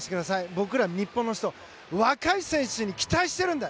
僕ら日本の人若い選手に期待してるんだ！